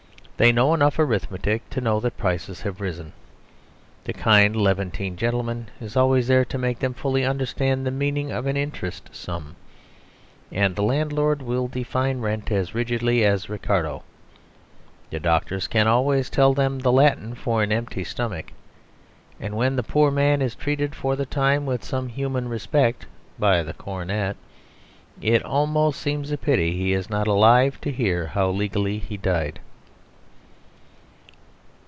They know enough arithmetic to know that prices have risen; the kind Levantine gentleman is always there to make them fully understand the meaning of an interest sum; and the landlord will define Rent as rigidly as Ricardo. The doctors can always tell them the Latin for an empty stomach; and when the poor man is treated for the time with some human respect (by the Coronet) it almost seems a pity he is not alive to hear how legally he died.